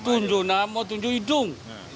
tunjuk nama tunjuk hidung